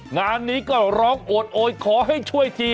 งานนี้ก็ร้องโอดโอยขอให้ช่วยที